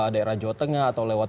daerah jawa tengah atau lewat